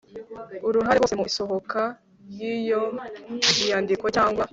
uruhare bose mu isohoka ry iyo nyandiko cyangwa